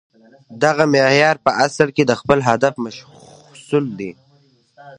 دغه معیار په اصل کې د خپل هدف مشخصول دي